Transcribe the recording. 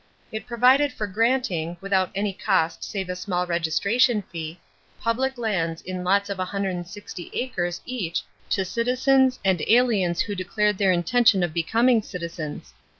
It provided for granting, without any cost save a small registration fee, public lands in lots of 160 acres each to citizens and aliens who declared their intention of becoming citizens.